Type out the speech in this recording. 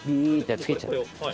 つけちゃう。